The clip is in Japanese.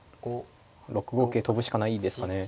６五桂跳ぶしかないですかね。